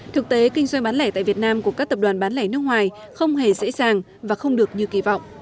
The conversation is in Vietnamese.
thực tế kinh doanh bán lẻ tại việt nam của các tập đoàn bán lẻ nước ngoài không hề dễ dàng và không được như kỳ vọng